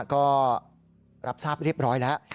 ก็รับทราบเรียบร้อยแล้ว